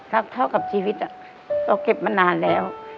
เท่ากับชีวิตเราเก็บมานานแล้ว